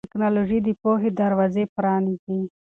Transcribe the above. ټیکنالوژي د پوهې دروازې پرانیزي.